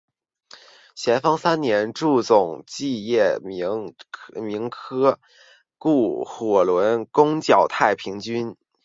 咸丰三年助总督叶名琛雇觅火轮攻剿太平军。